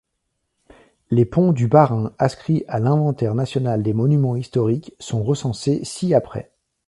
Les ponts du Bas-Rhin inscrits à l’inventaire national des monuments historiques sont recensés ci-après.